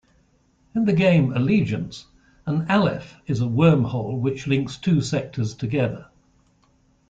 In the game "Allegiance" an Aleph is a wormhole which links two sectors together.